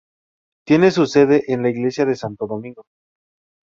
Tiene su sede en la iglesia de Santo Domingo.